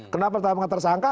kenapa pertapaan tersangka